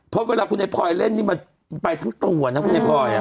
เพราะเวลาคุณไพรเล่นนี่มันไปทั้งตัวนะคุณไพร